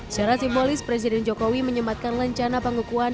secara simbolis presiden jokowi menyembatkan lencana penghubungan